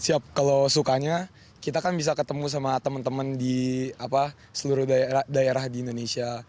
siap kalau sukanya kita kan bisa ketemu sama teman teman di seluruh daerah di indonesia